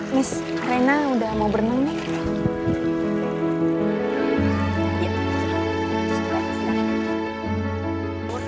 miss rena udah mau berenang nih